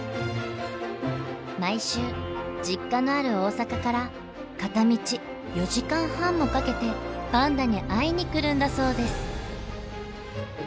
毎週実家のある大阪から片道４時間半もかけてパンダに会いに来るんだそうです。